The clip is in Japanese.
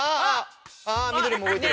あぁ緑も動いてる。